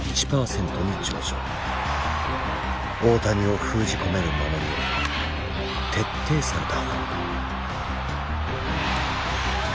大谷を封じ込める守りを徹底された。